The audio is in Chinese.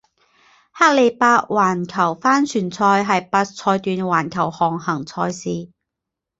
克利伯环球帆船赛是八赛段环球航行赛事。